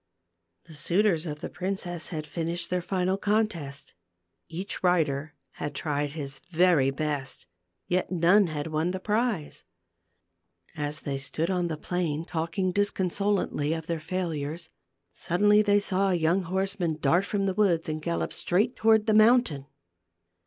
The suitors of the princess had finished their final contest ; each rider had tried his very best, yet none had won the prize. As they stood on the plain talking disconsolately of their failures, suddenly they saw a young horseman dart from 276 THE GLASS MOUNTAIN. the woods and gallop straight toward the mount ain.